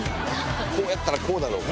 こうやったらこうだろうが。